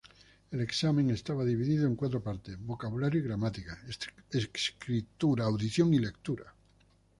El examen estaba dividido en cuatro partes: vocabulario y gramática, escritura, audición y lectura.